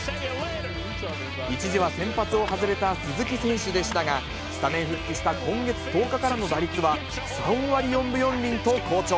一時は先発を外れた鈴木選手でしたが、スタメン復帰した今月１０日からの打率は、３割４分４厘と好調。